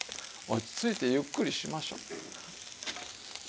落ち着いてゆっくりしましょう。